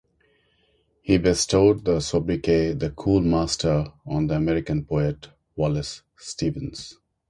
He bestowed the sobriquet "the cool master" on the American poet Wallace Stevens.